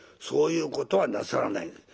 そういうことはなさらない。